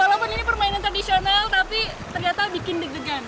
walaupun ini permainan tradisional tapi ternyata bikin deg degan